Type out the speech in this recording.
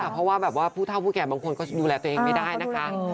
เพราะว่าแบบว่าผู้เท่าผู้แก่บางคนก็ดูแลตัวเองไม่ได้นะคะ